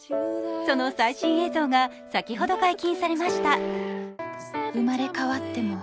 その最新映像が先ほど解禁されました。